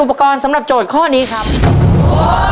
อุปกรณ์สำหรับโจทย์ข้อนี้ครับ